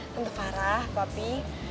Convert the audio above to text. tante farah papi